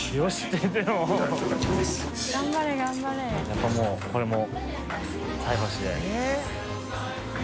やっぱもうこれも菜箸で。